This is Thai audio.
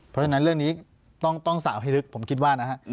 เพราะฉะนั้นเรื่องนี้ต้องสาวให้ลึกผมคิดว่านะฮะ